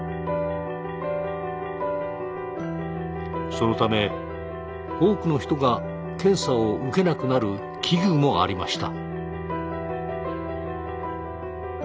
そのため多くの人が検査を受けなくなる危惧もありました。